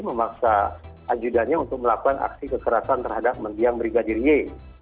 memaksa ajudannya untuk melakukan aksi kekerasan terhadap mendiang brigadier ye